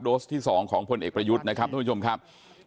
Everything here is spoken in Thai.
สที่๒ของพลเอกประยุทธ์นะครับท่านผู้ชมครับ